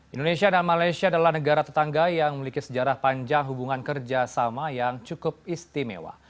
indonesia dan malaysia adalah negara tetangga yang memiliki sejarah panjang hubungan kerjasama yang cukup istimewa